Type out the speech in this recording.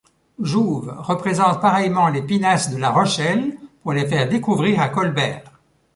Jouve représente pareillement les pinasses de La Rochelle pour les faire découvrir à Colbert.